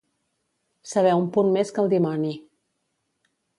Saber un punt més que el dimoni.